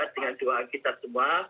dengan doa kita semua